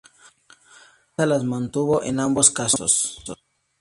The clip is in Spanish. Avanza las mantuvo en ambos casos.